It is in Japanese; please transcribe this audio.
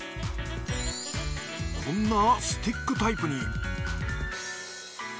こんなスティックタイプに。